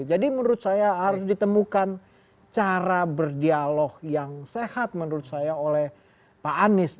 jadi menurut saya harus ditemukan cara berdialog yang sehat menurut saya oleh pak anies